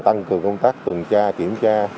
tăng cường công tác tuần tra kiểm tra